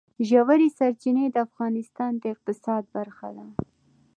ژورې سرچینې د افغانستان د اقتصاد برخه ده.